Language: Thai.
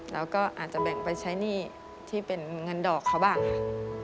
แล้วก็อาจจะแบ่งไปใช้หนี้ที่เป็นเงินดอกเขาบ้างค่ะ